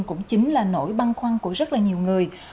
cũng chính là nỗi băn khoăn của rất là nhiều người